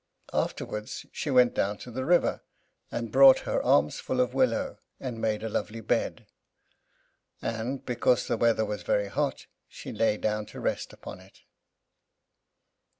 Afterwards she went down to the river and brought her arms full of willow, and made a lovely bed; and, because the weather was very hot, she lay down to rest upon it.